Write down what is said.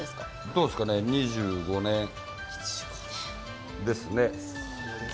どうですかね、２５年ですね。